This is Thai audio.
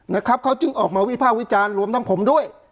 นะครับเขาจึงออกมาวิภาควิจารณ์รวมทั้งผมด้วย